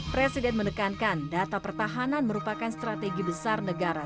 presiden menekankan data pertahanan merupakan strategi besar negara